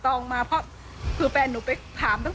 ที่มันก็มีเรื่องที่ดิน